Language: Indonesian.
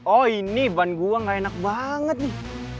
oh ini ban gua gak enak banget nih